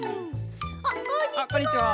あっこんにちは。